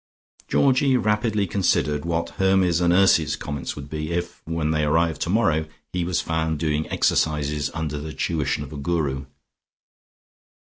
Georgie rapidly considered what Hermy's and Ursy's comments would be if, when they arrived tomorrow, he was found doing exercises under the tuition of a Guru.